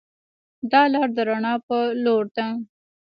دا لار د رڼا پر لور ده.